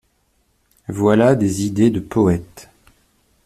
Voilà des idées de poète.